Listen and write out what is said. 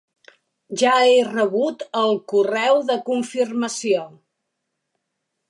Ja he rebut el correu de confirmació.